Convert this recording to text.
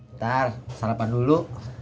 ntar sarapan dulu